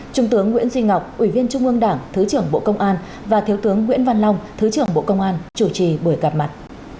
trung tướng nguyễn duy ngọc ủy viên trung ương đảng thứ trưởng bộ công an và thiếu tướng nguyễn văn long thứ trưởng bộ công an chủ trì buổi gặp mặt